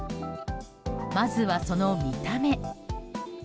まずは、その見た目。